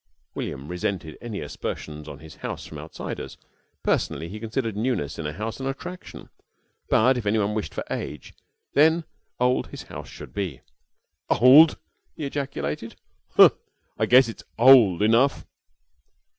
William resented any aspersions on his house from outsiders. Personally he considered newness in a house an attraction, but, if anyone wished for age, then old his house should be. "Old!" he ejaculated. "Huh! I guess it's old enough."